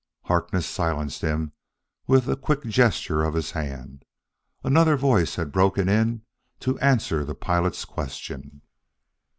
Harkness silenced him with a quick gesture of his hand. Another voice had broken in to answer the pilot's question.